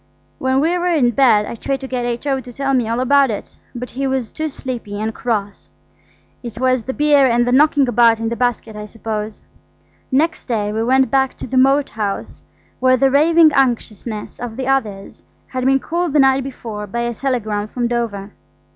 When we were in bed I tried to get H.O. to tell me all about it, but he was too sleepy and cross. It was the beer and the knocking about in the basket, I suppose. Next day we went back to the Moat House, where the raving anxiousness of the others had been cooled the night before by a telegram from Dover.